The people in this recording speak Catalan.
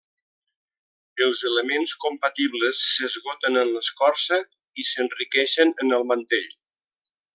Els elements compatibles s'esgoten en l'escorça i s'enriqueixen en el mantell.